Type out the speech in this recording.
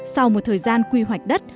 sau một thời gian quy hoạch đất